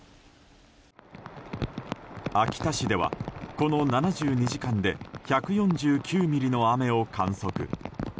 秋田市では、この７２時間で１４９ミリの雨を観測。